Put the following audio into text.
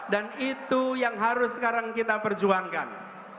dan itu yang harus sekarang kita perjuangkan